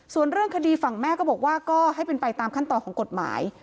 ส่วนเรื่องคดีฝั่งแม่ก็บอกว่าก็ให้เป็นไปตามขั้นตอนของกฎหมาย